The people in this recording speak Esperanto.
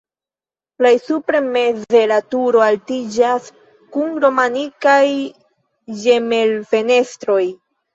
Plej supre meze la turo altiĝas kun romanikaj ĝemelfenestroj.